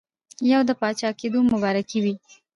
یو د پاچاکېدلو مبارکي وي.